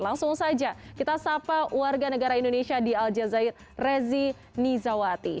langsung saja kita sapa warga negara indonesia di al jazair rezi nizawati